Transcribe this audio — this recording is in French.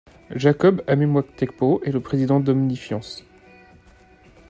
Jacob Amemùatekpo est le président d'Ominifiance.